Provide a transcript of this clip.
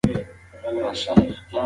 هغه د بېړنيو غبرګونونو څخه ډډه کوله.